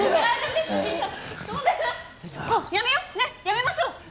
やめましょう！